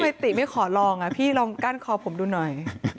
ทำไมติไม่ขอลองอ่ะพี่ลองกั้นคอผมดูหน่อย